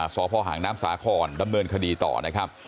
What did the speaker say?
สพหางน้ำสาครดำเนินคดีต่อนะครับ